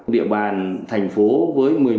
địa bàn thành phố với một mươi một